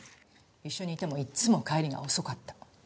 一緒にいてもいつも帰りが遅かった。